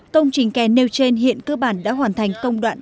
công trình kè nêu trên hiện cơ bản đã hoàn thành công đoạn